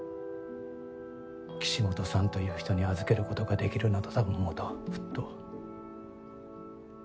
岸本さんという人に預けることができるのだと思うとふっと。